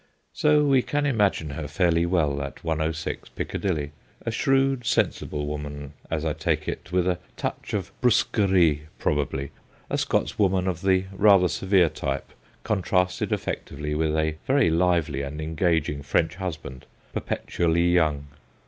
So we can imagine her fairly well at 106 Piccadilly, a shrewd, sensible woman, as I take it, with a touch of brusquerie probably a Scotswoman of the rather severe type, contrasted effectively with a very lively and engaging French husband, perpetually young.